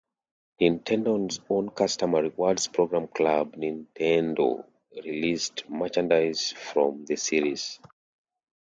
Nintendo's own customer rewards program Club Nintendo released merchandise from the series as well.